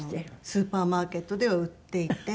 スーパーマーケットでは売っていて。